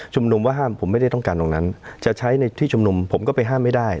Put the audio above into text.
ว่าห้ามผมไม่ได้ต้องการตรงนั้นจะใช้ในที่ชุมนุมผมก็ไปห้ามไม่ได้